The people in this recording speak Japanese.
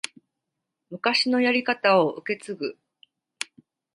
昔のやり方を受け継ぐ